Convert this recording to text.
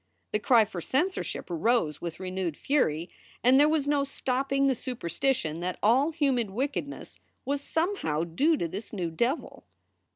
The cry for censorship arose with renewed fury, and there was no stopping the superstition that all human wickedness was somehow due to this new devil.